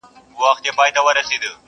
بار به دي په شا کم، توان به دي تر ملا کم.